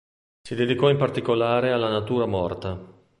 Si dedicò in particolare alla natura morta.